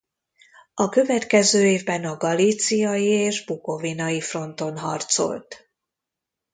A következő évben a galíciai és bukovinai fronton harcolt.